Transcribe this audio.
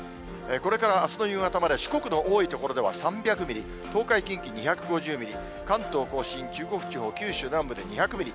これからあすの夕方まで、四国の多い所では３００ミリ、東海、近畿２５０ミリ、関東甲信、中国地方、九州南部で２００ミリ。